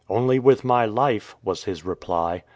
" Only with my life,'"' was his reply.